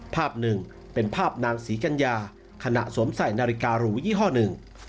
ภาพหนึ่งเป็นภาพนางศรีกัญญาขณะสวมใส่นาฬิการูยี่ห้อหนึ่ง